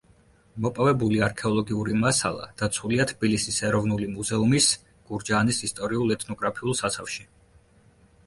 მოპოვებული არქეოლოგიური მასალა დაცულია თბილისის ეროვნული მუზეუმის გურჯაანის ისტორიულ-ეთნოგრაფიულ საცავში.